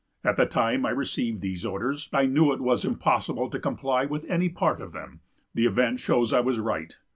At the time I received these orders, I knew it was impossible to comply with any part of them: the event shows I was right.